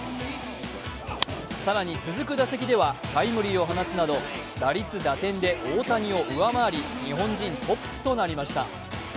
更に続く打席ではタイムリーを放つなど打率・打点で大谷を上回り日本人トップとなりました。